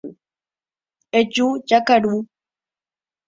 Eju jakaru.